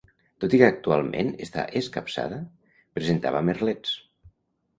Tot i que actualment està escapçada, presentava merlets.